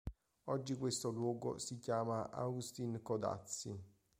Oggi questo luogo si chiama Agustín Codazzi.